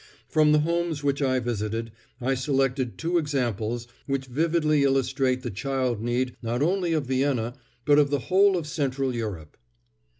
From the homes which I visited, I select two examples which vividly illustrate the child need not only of Vienna, but of the whole of Central Europe.